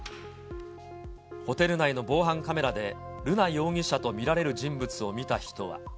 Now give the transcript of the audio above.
ホテル内の防犯カメラで、瑠奈容疑者と見られる人物を見た人は。